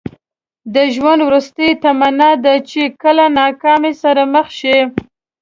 د ژوند وروستۍ تمنا ده چې کله ناکامۍ سره مخ شئ.